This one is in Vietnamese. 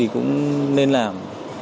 cũng nên làm